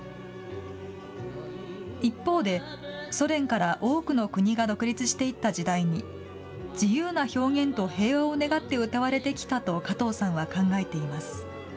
一方で、ソ連から多くの国が独立していった時代に自由な表現と平和を願って歌われてきたと加藤さんは考えています。